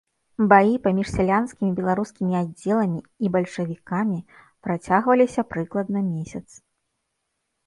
Баі паміж сялянскімі беларускімі аддзеламі і бальшавікамі працягваліся прыкладна месяц.